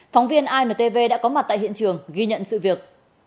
phóng viên intv đã có mặt tại hiện trường ghi nhận sự việc